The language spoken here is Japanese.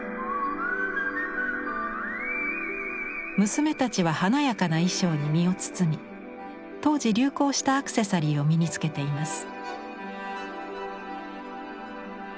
娘たちは華やかな衣装に身を包み当時流行したアクセサリーを身につけています。